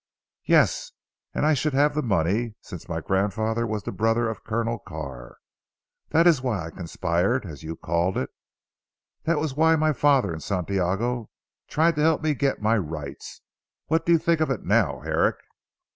"Yes. And I should have the money, since my grandfather was the brother of Colonel Carr. That was why I conspired, as you call it. That was why my father and Santiago tried to help me to get my rights. What do you think of it now Herrick?"